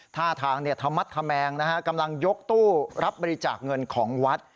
ท่าทางธรรมงนะฮะกำลังยกตู้รับบริจาคเงินของวัด